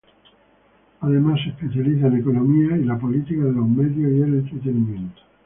Además, se especializa en economía y la política de los medios y el entretenimiento.